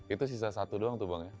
itu sisa satu doang tuh bang ya